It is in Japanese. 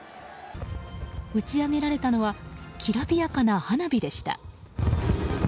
打ち上げられたのはきらびやかな花火でした。